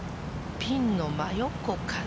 ピンの真横かな？